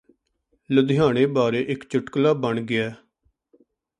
ਲੁਧਿਆਣੇ ਬਾਰੇ ਇਕ ਚੁਟਕਲਾ ਬਣ ਗਿਐ